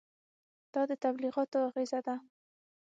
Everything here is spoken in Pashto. دا د تبلیغاتو اغېزه ده.